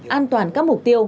an toàn các mục tiêu